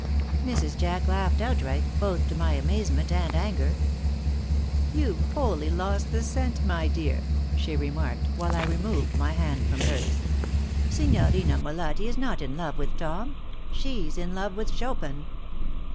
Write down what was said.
Mrs. Jack laughed outright, both to my amazement and anger. "You've wholly lost the scent, my dear," she remarked, while I removed my hand from hers. "Signorina Molatti is not in love with Tom she's in love with Chopin."